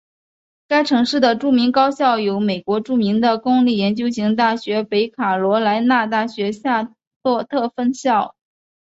该城市的著名高校有美国著名的公立研究型大学北卡罗莱纳大学夏洛特分校。